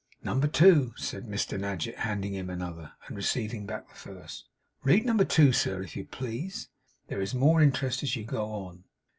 'Number Two,' said Mr Nadgett, handing him another, and receiving back the first. 'Read Number Two, sir, if you please. There is more interest as you go on.